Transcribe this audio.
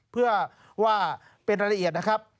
เพื่อว่าเป็นรายละเอียดนะครับ